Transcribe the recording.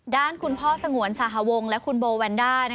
ด้านคุณพ่อสงวนสหวงและคุณโบแวนด้า